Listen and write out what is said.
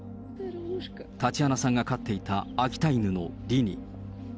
タチアナさんが飼っていた秋田犬のリニ。